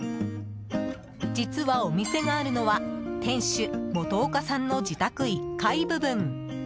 実は、お店があるのは店主・本岡さんの自宅１階部分。